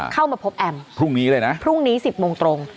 เข้ามาพบแอมพรุ่งนี้เลยนะพรุ่งนี้๑๐โมงตรง